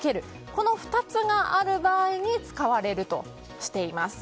この２つがある場合に使われるとしています。